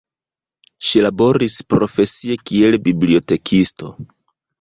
Ŝi laboris profesie kiel bibliotekisto.